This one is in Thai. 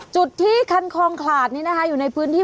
จุดที่คันคลองขลาดนี้นะคะอยู่ในพื้นที่